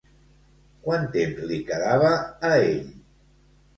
Quant temps li quedava a ell?